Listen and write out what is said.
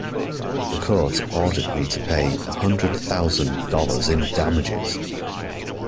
The court ordered me to pay a hundred thousand dollars in damages.